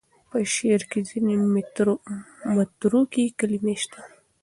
په شعر کې ځینې متروکې کلمې شته.